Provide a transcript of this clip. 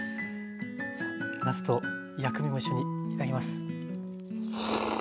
じゃあなすと薬味も一緒に頂きます。